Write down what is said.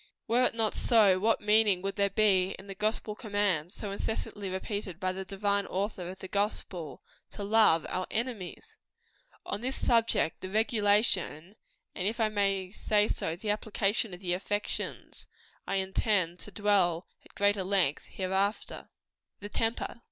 Were it not so, what meaning would there be in the gospel commands so incessantly repeated by the divine Author of the gospel to love our enemies? On this subject the regulation, and if I may so say, the application of the affections I intend to dwell at greater length hereafter. THE TEMPER.